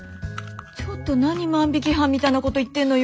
ちょっと何万引き犯みたいなこと言ってんのよ。